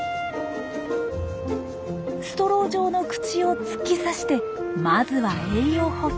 ストロー状の口を突き刺してまずは栄養補給。